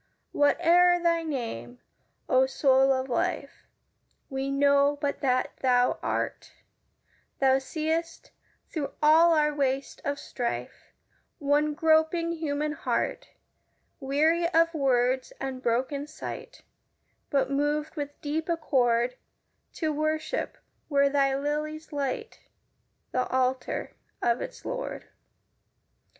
Whate'er thy name, O Soul of Life, We know but that thou art, Thou seest, through all our waste of strife, One groping human heart, Weary of words and broken sight, But moved with deep accord To worship where thy lilies light The altar of its Lord.